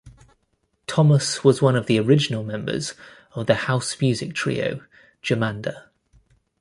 Thomas was one of the original members of the house music trio, Jomanda.